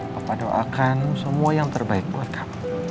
papa doakan semua yang terbaik buat kami